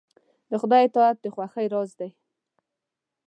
د خدای اطاعت د خوښۍ راز دی.